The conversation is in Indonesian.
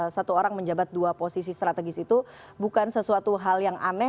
satu orang menjabat dua posisi strategis itu bukan sesuatu hal yang aneh